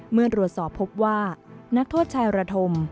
เมื่อตรวจสอบพบว่านักโทษชายระธม